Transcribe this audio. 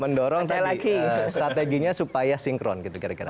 mendorong tadi strateginya supaya sinkron gitu kira kira